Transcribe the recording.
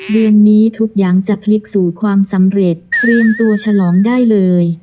เดือนนี้ทุกอย่างจะพลิกสู่ความสำเร็จเตรียมตัวฉลองได้เลย